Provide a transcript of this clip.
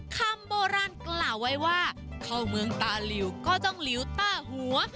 คำโบราณกล่าวไว้ว่าเข้าเมืองตาหลิวก็ต้องหลิวต้าหัว